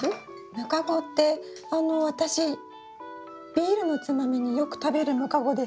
ムカゴってあのビールのつまみによく食べるムカゴですか？